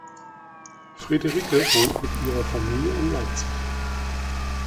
Friederike wohnt mit Ihrer Familie in Leipzig.